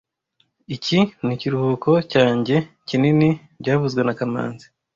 Iki nikiruhuko cyanjye kinini byavuzwe na kamanzi